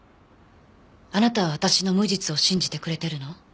あなたは私の無実を信じてくれてるの？